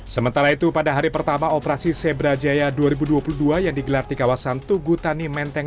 sementara itu pada hari pertama operasi zebra jaya dua ribu dua puluh dua yang digelar di kawasan tugutani menteng